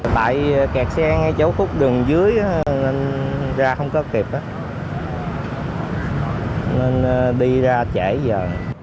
tại kẹt xe ngay chấu khúc đường dưới nên ra không có kịp nên đi ra trễ giờ